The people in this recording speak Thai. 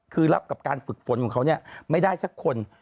คือรับกับการฝึกฝนของเขาไม่ได้สักคน